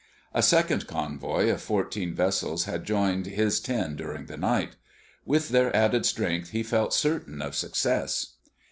A second convoy of fourteen vessels had joined his ten during the night. With their added strength he felt certain of success.